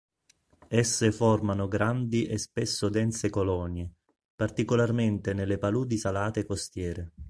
Esse formano grandi e spesso dense colonie, particolarmente nelle paludi salate costiere.